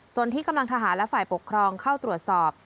ส่วนที่กำลังทหารและฝ่ายปกครองเข้าตรวจสอบ